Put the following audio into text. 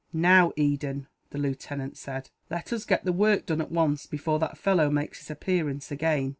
"Now, Eden," the lieutenant said, "let us get the work done, at once, before that fellow makes his appearance again."